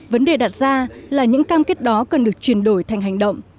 vấn đề đặt ra là những cam kết đó cần được chuyển đổi thành hành động